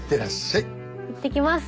いってきます。